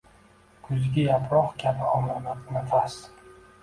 Kuzgi yaproq kabi omonat nafas.